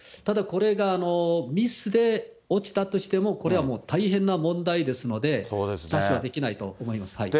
ただこれがミスで落ちたとしても、これはもう大変な問題ですので、無視はできないと思います。